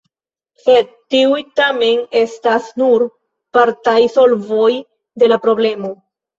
Sed tiuj tamen estas nur partaj solvoj de la problemo.